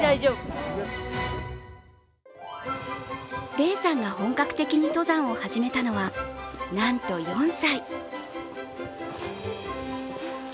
嶺さんが本格的に登山を始めたのはなんと４歳。